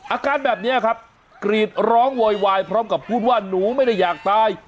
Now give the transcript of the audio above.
อาการแบบนี้ครับกรีดร้องโวยวายพร้อมกับพูดว่าหนูไม่ได้อยากตาย